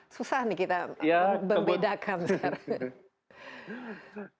susah nih kita membedakan sekarang